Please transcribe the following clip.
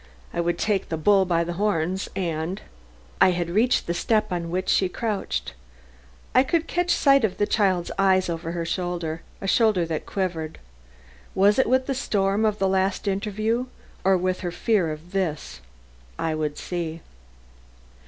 I would take the bull by the horns and I had reached the step on which she crouched. I could catch sight of the child's eyes over her shoulder, a shoulder that quivered was it with the storm of the last interview, or with her fear of this? I would see.